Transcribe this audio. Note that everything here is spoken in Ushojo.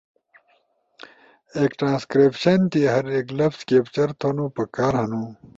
ایک ٹرانسکرائبشن تی ہر ایک لفظ کیپچر تھونو پکار ہنو